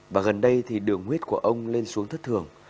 và gần đây thì đường huyết của ông lên xuống thất thường